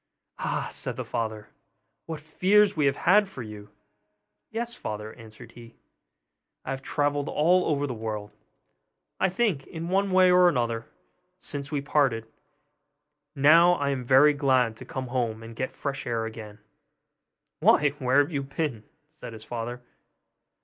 'Ah!' said the father, 'what fears we have had for you!' 'Yes, father,' answered he; 'I have travelled all over the world, I think, in one way or other, since we parted; and now I am very glad to come home and get fresh air again.' 'Why, where have you been?' said his father.